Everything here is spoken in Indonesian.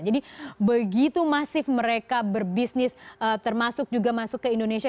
jadi begitu masif mereka berbisnis termasuk juga masuk ke indonesia